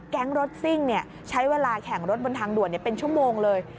รถซิ่งใช้เวลาแข่งรถบนทางด่วนเป็นชั่วโมงเลย